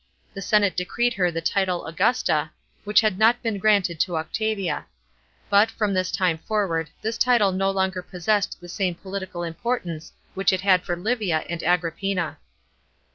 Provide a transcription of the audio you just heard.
The senate decreed her the title Augusta, which had not been granted to Octavia, but, fr«>m this time forwa'd, this tMe no longer possessed the same political importance which it I ad for Livia and Agripp'na.